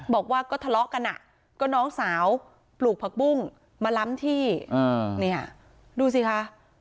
บอกว่าก็ทะเลาะกันอ่ะก็น้องสาวปลูกผักปุ้งมาล้ำที่เนี่ยดูสิคะ